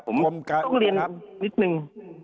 ผมต้องเรียนนิดนึง